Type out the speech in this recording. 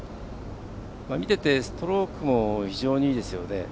見ててストロークも非常にいいですよね。